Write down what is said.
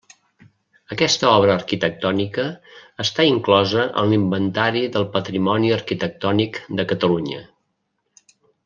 Aquesta obra arquitectònica està inclosa en l'Inventari del Patrimoni Arquitectònic de Catalunya.